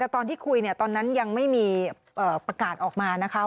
ตอนที่คุยตอนนั้นยังไม่มีประกาศออกมานะคะ